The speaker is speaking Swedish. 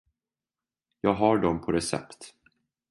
Jag har dem på recept.